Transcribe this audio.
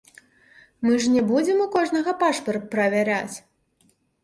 Мы ж не будзем у кожнага пашпарт правяраць.